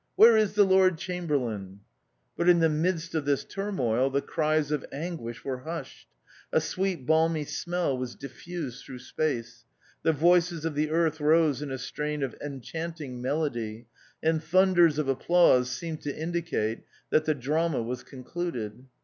Where is the Lord Chamherlain ? But in the midst of this turmoil the cries of anguish were hushed, a sweet balmy smell was diffused through space, the voices of the earth rose in a strain of enchanting melody, and thunders of applause seemed to indicate that the drama was concluded.